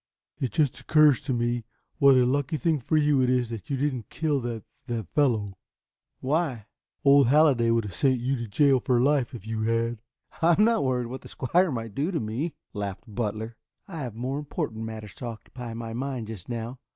"It just occurs to me. What a lucky thing for you it is that you didn't kill that that fellow." "Why?" "Old Halliday would have sent you to jail for life if you had." "I am not worrying about what the squire might do to me," laughed Butler. "I have more important matters to occupy my mind just now.